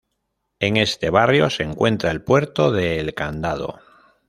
En este barrio se encuentra el puerto de El Candado.